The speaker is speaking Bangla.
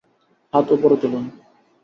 হাত ওপরে তুলুন।